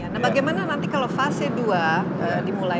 nah bagaimana nanti kalau fase dua dimulai